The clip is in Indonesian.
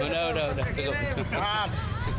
udah udah udah cukup